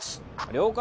了解